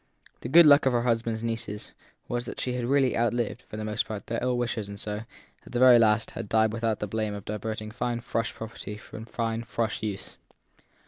The good luck of her husband s nieces was that she had really outlived, for the most part, their ill wishers and so, at the very last, had died without the blame of diverting fine Frush property from fine Frush use.